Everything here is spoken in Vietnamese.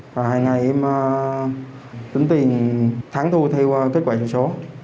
và hàng ngày em tính tiền thắng thu theo kết quả trong số